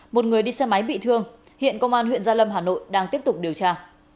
một người đi xe máy bị thương hiện công an huyện gia lâm hà nội đang tiếp tục điều tra